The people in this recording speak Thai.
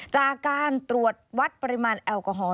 จากการตรวจวัดปริมาณแอลกอฮอล